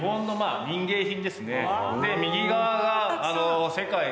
で右側が。